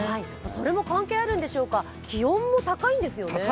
それも関係あるんでしょうか、気温も高いんですよね。